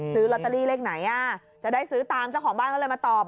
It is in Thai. ซื้อลอตเตอรี่เลขไหนจะได้ซื้อตามเจ้าของบ้านเขาเลยมาตอบ